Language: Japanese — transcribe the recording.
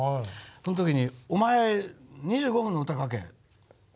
その時に「おまえ２５分の歌を書け」。